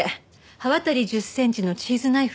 刃渡り１０センチのチーズナイフ。